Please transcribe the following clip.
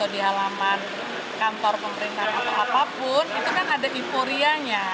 di halaman kantor pemerintahan atau apapun itu kan ada euforianya